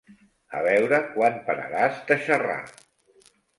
A veure quan pararàs de xerrar.